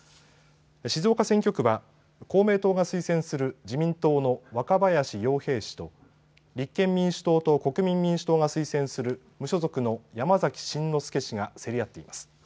静岡選挙区は公明党が推薦する自民党の若林洋平氏と立憲民主党と国民民主党が推薦する無所属の山崎真之輔氏が競り合っています。